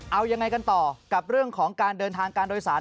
เอายังไงกันต่อกับเรื่องของการเดินทางการโดยสาร